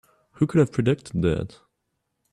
Who could have predicted that?